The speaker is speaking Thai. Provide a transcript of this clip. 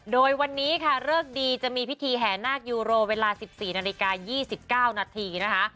โดยวันนี้ค่ะเลิกดีจะมีพิธีแห่นาคยูโรเวลา๑๔นาฬิกา๒๙นาทีนะคะ